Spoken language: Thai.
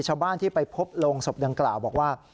ชาวบ้านที่ไปพบโรงศพดังกล่าวบอกว่า